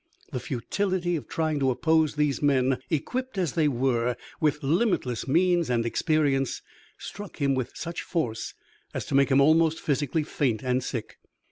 The futility of trying to oppose these men, equipped as they were with limitless means and experience, struck him with such force as to make him almost physically faint and sick.